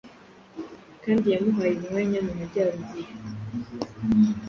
Kandi yamuhaye umwanya mumajyaruguru,